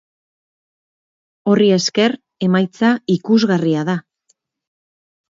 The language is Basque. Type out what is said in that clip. Horri esker, emaitza ikusgarria da.